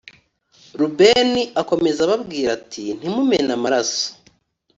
rubeni akomeza ababwira ati ntimumene amaraso